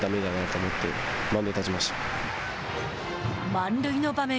満塁の場面。